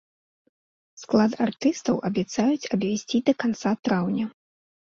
Склад артыстаў абяцаюць абвясціць да канца траўня.